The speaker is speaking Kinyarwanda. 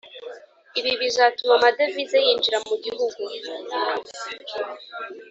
Ibi bizatuma amadevize yinjira mu Gihugu